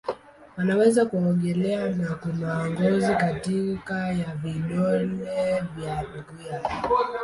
Wanaweza kuogelea na kuna ngozi kati ya vidole vya miguu yao.